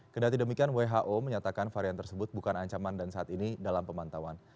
kedati demikian who menyatakan varian tersebut bukan ancaman dan saat ini dalam pemantauan